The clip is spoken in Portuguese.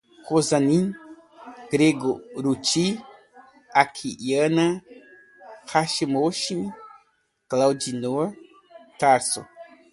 Rosani Gregorutti Akiyama Hashizumi, Claudionor, Tarso